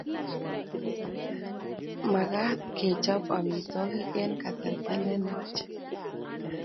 Magat kechop amitwogik eng kasarta ne nwach